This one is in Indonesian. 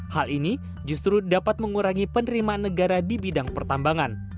hal ini justru dapat mengurangi penerimaan negara di bidang pertambangan